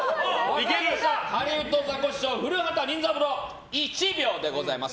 ハリウッドザコシショウ古畑任三郎１秒でございます。